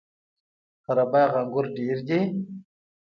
قره باغ انګور ډیر دي؟